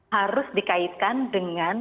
harus dikaitkan dengan